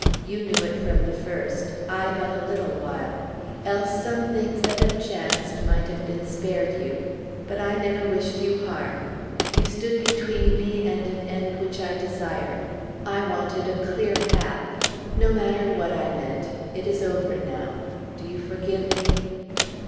You knew it from the first; I, but a little while, else some things that have chanced might have been spared you. But I never wished you harm. You stood between me and an end which I desired. I wanted a clear path. No matter what I meant. It is over now. Do you forgive me?"